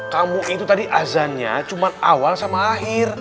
kamu itu tadi azannya cuma awal sama akhir